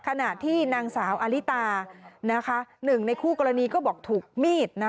ขณะที่นางสาวอลิตานะคะหนึ่งในคู่กรณีก็บอกถูกมีดนะ